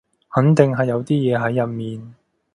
肯定係有啲嘢喺入面